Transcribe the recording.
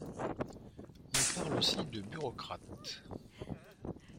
On parle aussi de bureaucrate.